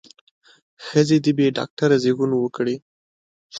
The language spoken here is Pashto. ښځې دې بې ډاکتره زېږون وکړي.